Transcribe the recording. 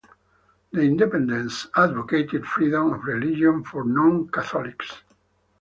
The Independents advocated freedom of religion for non-Catholics.